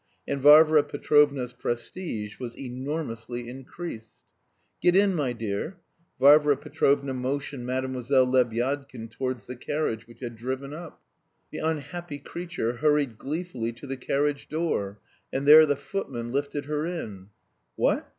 And Varvara Petrovna's prestige was enormously increased. "Get in, my dear." Varvara Petrovna motioned Mlle. Lebyadkin towards the carriage which had driven up. The "unhappy creature" hurried gleefully to the carriage door, and there the footman lifted her in. "What!